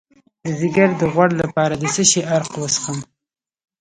د ځیګر د غوړ لپاره د څه شي عرق وڅښم؟